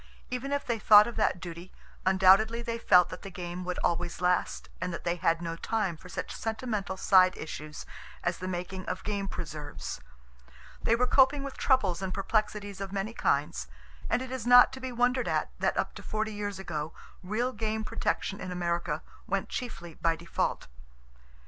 Even if they thought of that duty, undoubtedly they felt that the game would always last, and that they had no time for such sentimental side issues as the making of game preserves. They were coping with troubles and perplexities of many kinds, and it is not to be wondered at that up to forty years ago, real game protection in America went chiefly by default.